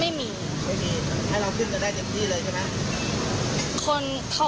ไม่มีให้เราขึ้นด้วยด้วยเฉยครับ